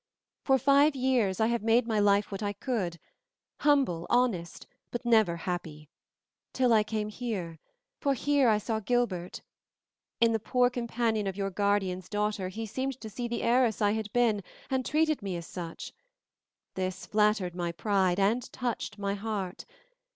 For five years I have made my life what I could, humble, honest, but never happy, till I came here, for here I saw Gilbert. In the poor companion of your guardian's daughter he seemed to see the heiress I had been, and treated me as such. This flattered my pride and touched my heart.